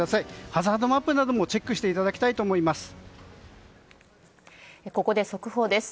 ハザードマップなどもチェックしていただきたいとここで速報です。